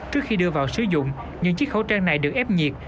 trước khi đưa vào sử dụng những chiếc khẩu trang này được ép nhiệt